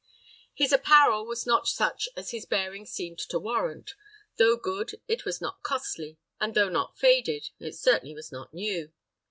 His apparel was not such as his bearing seemed to warrant: though good, it was not costly, and though not faded, it certainly was not new.